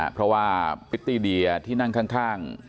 เพราะว่าพริตตี้เดียที่นั่งข้าง